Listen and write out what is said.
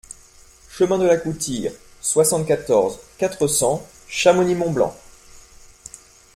Chemin de la Coutire, soixante-quatorze, quatre cents Chamonix-Mont-Blanc